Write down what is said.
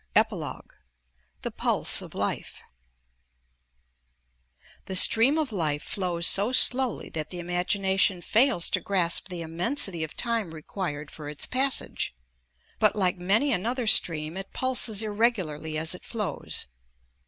EPILOGUE The Pulse of Life The stream of life flows so slowly that the imagination fails to grasp the immensity of time required for its passage, but like many another stream it pulses irregularly as it flows.